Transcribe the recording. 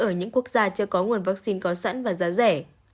ở những quốc gia chưa có nguồn vaccine có sẵn và giá rẻ